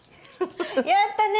やったね！